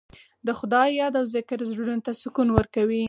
د خدای یاد او ذکر زړونو ته سکون ورکوي.